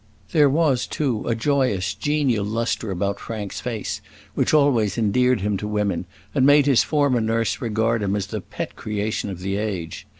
There was, too, a joyous, genial lustre about Frank's face which always endeared him to women, and made his former nurse regard him as the pet creation of the age.